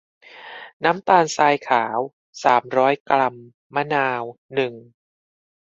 น้ำตาลทรายขาว สามร้อย กรัม มะนาว หนึ่ง